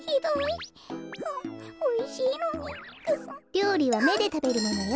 りょうりはめでたべるものよ。